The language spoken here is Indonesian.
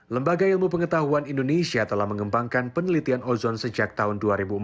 lembaga ilmu pengetahuan indonesia telah mengembangkan penelitian ozon sejak tahun dua ribu empat belas